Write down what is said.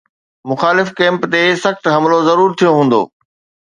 مخالف ڪئمپ تي سخت حملو ضرور ٿيو هوندو.